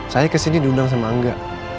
saya kesini diundang sama angga